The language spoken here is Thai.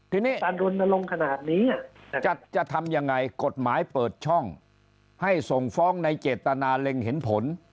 ทีนี้จะทำยังไงกฎหมายเปิดช่องให้ส่งฟ้องในเจตนาเล็งเห็นผล